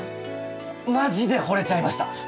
マジで惚れちゃいました。